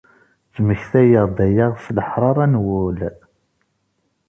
Ttmektayeɣ-d aya s leḥṛaṛa n wul.